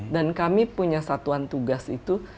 dan kami punya satuan tugas itu